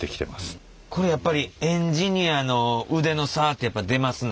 これやっぱりエンジニアの腕の差って出ますの？